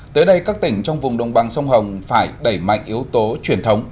tới đây các tỉnh trong vùng đồng bằng sông hồng phải đẩy mạnh yếu tố truyền thống